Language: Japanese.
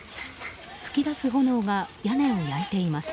噴き出す炎は屋根を焼いています。